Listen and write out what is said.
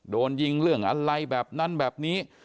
โดนยิงเรื่องอะไรแบบนั้นแบบนี้